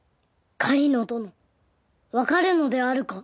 狩野どのわかるのであるか？